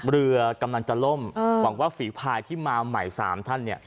เรือกำลังจะล่มหวังว่าฝีพายที่มาใหม่๓ท่าน